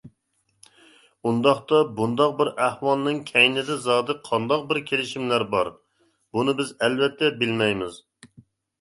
ئۇنداقتا بۇنداق بىر ئەھۋالنىڭ كەينىدە زادى قانداق بىر كېلىشىملەر بار؟ بۇنى بىز ئەلۋەتتە بىلمەيمىز.